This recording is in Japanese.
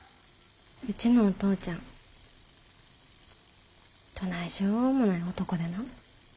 うちのお父ちゃんどないしようもない男でな。